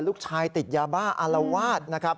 ลูกชายติดยาบ้าอารวาส